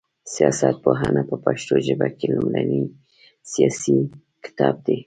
سياست پوهنه په پښتو ژبه کي لومړنی سياسي کتاب دی